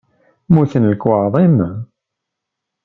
Mmuten lekwaɣeḍ-im?